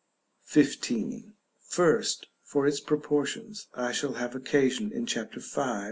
§ XV. First, for its proportions: I shall have occasion in Chapter V.